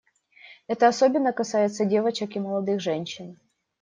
Это особенно касается девочек и молодых женщин.